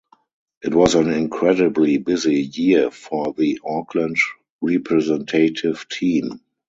It was an incredibly busy year for the Auckland representative team.